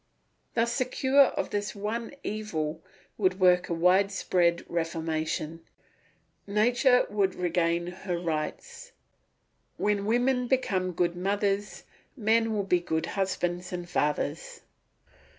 Thus the cure of this one evil would work a wide spread reformation; nature would regain her rights. When women become good mothers, men will be good husbands and fathers.